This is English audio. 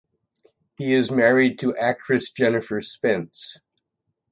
He is married to actress Jennifer Spence.